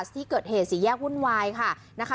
ที่เกิดเหตุสี่แยกวุ่นวายค่ะนะคะ